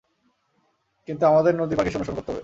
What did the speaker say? কিন্তু আমাদের নদীর পাড় ঘেঁষে অনুসরণ করতে হবে।